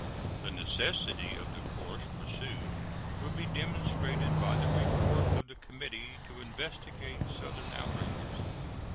The necessity of the course pursued will be demonstrated by the report of the Committee to Investigate Southern Outrages.